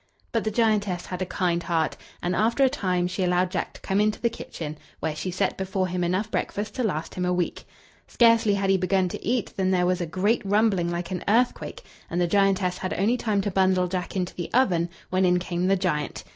But the giantess had a kind heart, and after a time she allowed Jack to come into the kitchen, where she set before him enough breakfast to last him a week. Scarcely had he begun to eat than there was a great rumbling like an earthquake, and the giantess had only time to bundle Jack into the oven when in came the giant.